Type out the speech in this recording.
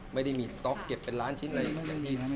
ไม่ได้มีสต๊อกเก็บเป็นล้านชิ้นอะไรอย่างนี้เป็นข่าวครับ